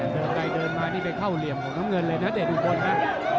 เดินไปเดินมานี่ไปเข้าเหลี่ยมของน้ำเงินเลยนะเดชอุบลนะ